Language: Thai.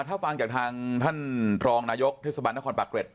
ถ้าฟังจากทางท่านทรองนายกทศบัณฑ์นครปรักเวช